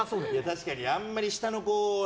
確かにあんまり下の子とは。